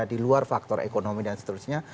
di luar faktor ekonomi dan seterusnya